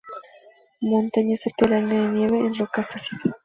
Montañas, cerca de la línea de nieve, en rocas ácidas.